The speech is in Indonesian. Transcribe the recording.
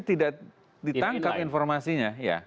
tidak ditangkap informasinya